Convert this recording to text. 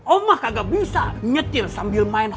oh mah kagak bisa nyetir sambil main